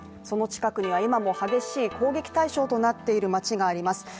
その近くには今も激しい攻撃対象となっている街があります。